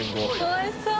おいしそう！